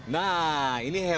nah ini hewan